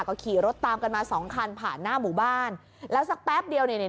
ก็ขี่รถตามกันมาสองคันผ่านหน้าหมู่บ้านแล้วสักแป๊บเดียวเนี่ย